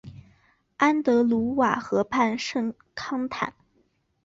安德鲁瓦河畔圣康坦。